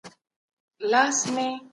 پخپلو پښو درېدل زموږ وروستی هدف دی.